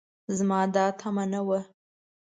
زما دا تمعه نه وه